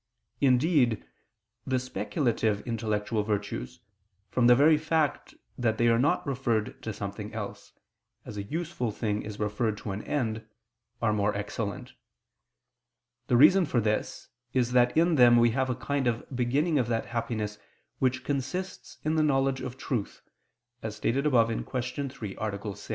Indeed, the speculative intellectual virtues, from the very fact that they are not referred to something else, as a useful thing is referred to an end, are more excellent. The reason for this is that in them we have a kind of beginning of that happiness which consists in the knowledge of truth, as stated above (Q. 3, A. 6).